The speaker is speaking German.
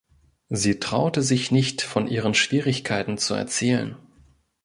Sie traute sich nicht von ihren Schwierigkeiten zu erzählen.